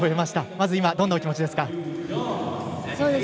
まず今、どんなお気持ちですか？